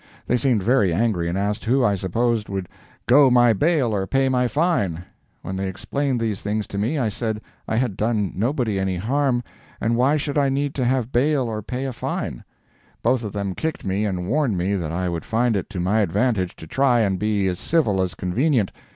They seemed very angry and asked who I supposed would "go my bail or pay my fine." When they explained these things to me, I said I had done nobody any harm, and why should I need to have bail or pay a fine? Both of them kicked me and warned me that I would find it to my advantage to try and be as civil as convenient.